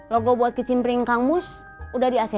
logo buat kecimpering kang mus udah di acc sama